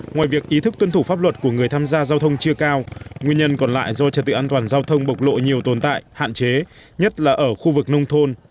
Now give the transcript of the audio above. ngoài việc ý thức tuân thủ pháp luật của người tham gia giao thông chưa cao nguyên nhân còn lại do trật tự an toàn giao thông bộc lộ nhiều tồn tại hạn chế nhất là ở khu vực nông thôn